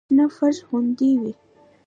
شنه فرش غوندې وي.